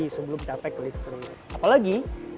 sebelum kita sampai ke listrik apalagi